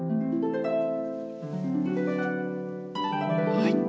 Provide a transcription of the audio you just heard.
はい。